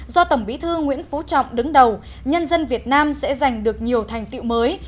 do tổng bí thư nguyễn phú trọng đứng đầu nhân dân việt nam sẽ giành được nhiều thành tiệu mới